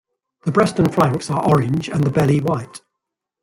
The breast and flanks are orange, and the belly white.